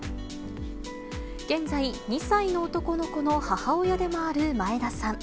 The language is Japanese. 現在２歳の男の子の母親でもある前田さん。